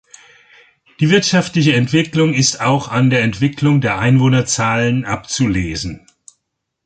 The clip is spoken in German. Die wirtschaftliche Entwicklung ist auch an der Entwicklung der Einwohnerzahlen abzulesen.